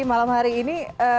malam hari ini